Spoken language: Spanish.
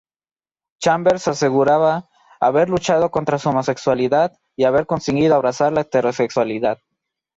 Chambers aseguraba "haber luchado contra su homosexualidad" y "haber conseguido abrazar la heterosexualidad.